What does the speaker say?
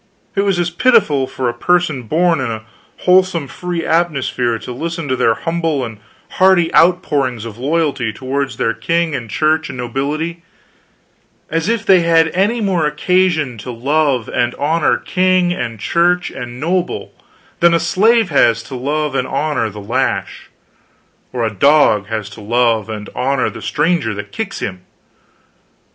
It was pitiful for a person born in a wholesome free atmosphere to listen to their humble and hearty outpourings of loyalty toward their king and Church and nobility; as if they had any more occasion to love and honor king and Church and noble than a slave has to love and honor the lash, or a dog has to love and honor the stranger that kicks him!